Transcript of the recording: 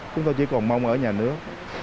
chúng tôi chỉ còn mong ở nhà nước